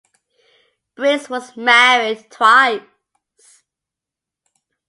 Briggs was married twice.